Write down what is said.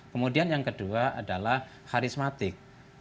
kemudian yang kedua adalah harismatik